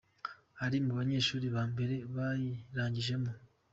Ari mu banyeshuli ba mbere bayirangijemo.